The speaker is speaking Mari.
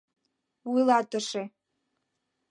Вуйлатыше...